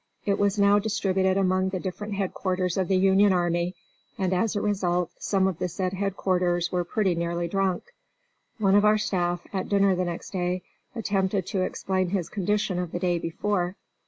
It was now distributed among the different headquarters of the Union army, and as a result some of the said headquarters were pretty nearly drunk. One of our staff, at dinner the next day, attempted to explain his condition of the day before.